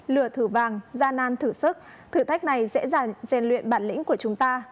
lửa thử vàng gian nan thử sức thử thách này dễ dàng gian luyện bản lĩnh của chúng ta